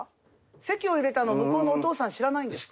籍を入れたの向こうのお父さん知らないんですか？